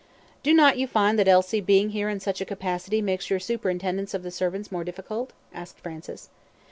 "Do not you find that Elsie being here in such a capacity makes your superintendence of the servants more difficult?" asked Francis.